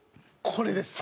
これです。